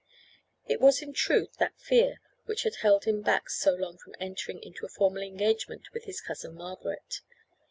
It was in truth that fear which had held him back so long from entering into a formal engagement with his cousin Margaret.